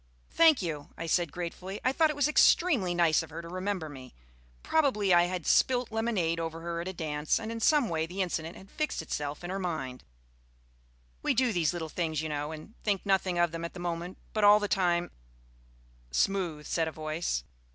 "Thank you," I said gratefully. I thought it was extremely nice of her to remember me. Probably I had spilt lemonade over her at a dance, and in some way the incident had fixed itself in her mind. We do these little things, you know, and think nothing of them at the moment, but all the time "Smooth," said a voice.